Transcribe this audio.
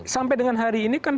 sampai dengan hari ini kan